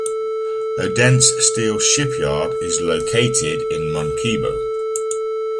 Odense Steel Shipyard is located in Munkebo.